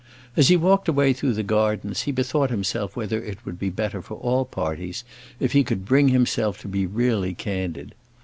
As he walked away through the gardens, he bethought himself whether it would be better for all parties if he could bring himself to be really candid.